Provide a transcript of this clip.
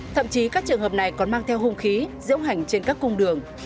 thậm chí các trường hợp này còn mang theo hung khí dễ hỏng hành trên các cung đường